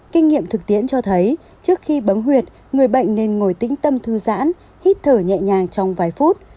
kinh nghiệm thực tiễn cho thấy trước khi bấm huyệt người bệnh nên ngồi tĩnh tâm thư giãn hít thở nhẹ nhàng trong vài phút